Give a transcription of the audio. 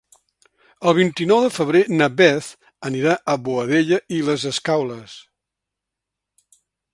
El vint-i-nou de febrer na Beth anirà a Boadella i les Escaules.